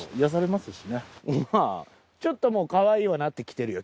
まぁちょっともう可愛いはなってきてるよ。